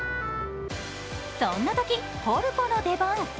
そんなとき、ホルポの出番。